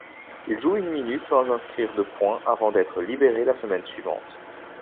Il joue une minute sans inscrire de points avant d'être libéré la semaine suivante.